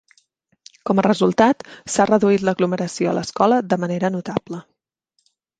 Com a resultat, s'ha reduït l'aglomeració a l'escola de manera notable.